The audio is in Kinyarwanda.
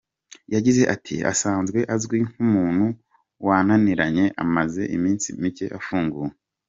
Yagize ati “Asanzwe azwi nk’umuntu wanananiranye, amaze iminsi mike afunguwe.